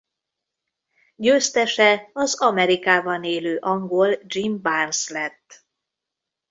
Győztese az Amerikában élő angol Jim Barnes lett.